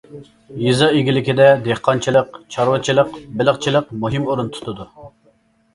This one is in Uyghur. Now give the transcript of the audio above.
يېزا ئىگىلىكىدە دېھقانچىلىق، چارۋىچىلىق، بېلىقچىلىق مۇھىم ئورۇن تۇتىدۇ.